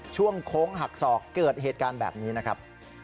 โค้งหักศอกเกิดเหตุการณ์แบบนี้นะครับ